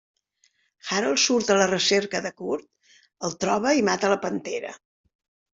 Harold surt a la recerca de Curt, el troba i mata la pantera.